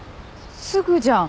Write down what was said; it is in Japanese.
すぐじゃん。